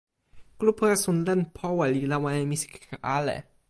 kulupu esun len powe li lawa e misikeke ale.